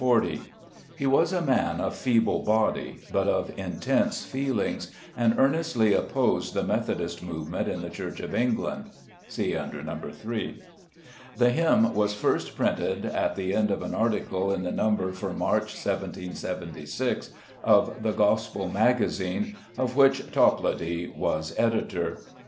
He was a man of feeble body but of intense feelings, and earnestly opposed the Methodist movement in the Church of England (see under No. 3). The hymn was first printed at the end of an article in the number for March, 1776, of the Gospel Magazine, of which Toplady was editor.